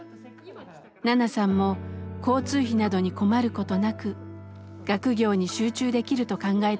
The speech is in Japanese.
ナナさんも交通費などに困ることなく学業に集中できると考えたのです。